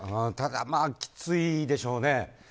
ただ、きついでしょうね。